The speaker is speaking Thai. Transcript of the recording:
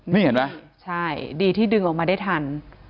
นี่เห็นไหมใช่ดีที่ดึงออกมาได้ทัน